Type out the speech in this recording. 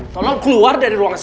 tolong keluar dari ruangan